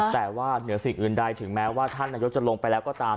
แต่ว่าเหนือสิ่งอื่นใดถึงแม้ว่าท่านนายกจะลงไปแล้วก็ตาม